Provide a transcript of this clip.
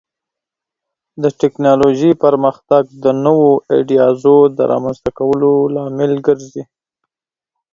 د ټکنالوژۍ پرمختګ د نوو ایډیازو د رامنځته کولو لامل ګرځي.